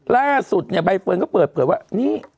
ล่าสุดเนี่ยใบเฟิร์นก็เปิดเผยว่านี่